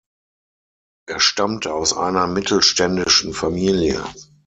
Er stammte aus einer mittelständischen Familie.